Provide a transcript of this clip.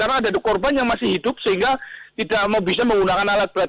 karena ada korban yang masih hidup sehingga tidak mau bisa menggunakan alat berat